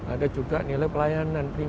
ada juga nilai pelayanan